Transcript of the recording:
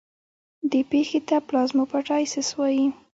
دې پېښې ته پلازموپټایسس وایي.